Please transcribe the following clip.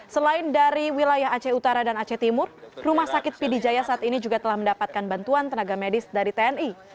selain dari wilayah aceh utara dan aceh timur rumah sakit pidijaya saat ini juga telah mendapatkan bantuan tenaga medis dari tni